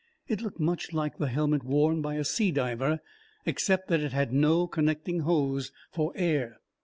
It looked much like the helmet worn by a sea diver, except that it had no connecting hose for air.